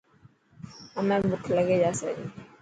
همي بک لکي جاسي ري.